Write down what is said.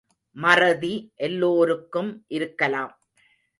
மறதி எல்லோருக்கும் இருக்கலாம்.